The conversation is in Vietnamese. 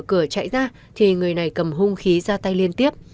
bà phượng chạy ra thì người này cầm hung khí ra tay liên tiếp